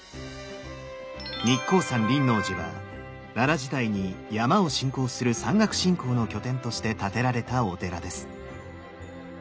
日光山輪王寺は奈良時代に山を信仰する山岳信仰の拠点として建てられたお寺です。